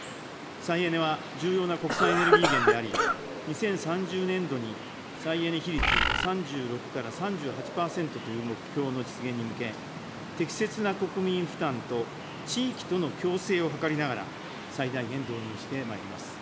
再エネは重要な国際エネルギー源であり、２０３０年度に再エネ比率３６から３８％という目標の実現に向け、適切な国民負担と、地域との共生を図りながら、最大限導入してまいります。